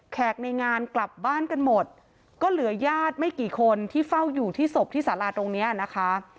ในงานกลับบ้านกันหมดก็เหลือญาติไม่กี่คนที่เฝ้าอยู่ที่ศพที่สาราตรงเนี้ยนะคะ